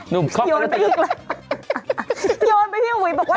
นุ่มครอบครัวแล้วนะฮะเหยุ่นไปอีกแล้วเหยุนไปพี่อุ๊ยบอกว่า